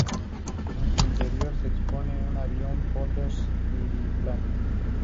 En su interior se expone una avión Potez biplano.